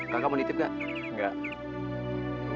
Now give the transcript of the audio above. kau mau ditip enggak